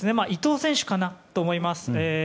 伊東選手かなと思います。